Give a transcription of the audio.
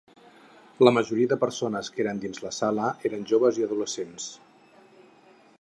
La majoria de persones que eren dins la sala eren joves i adolescents.